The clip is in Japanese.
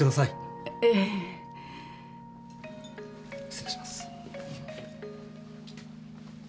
失礼します。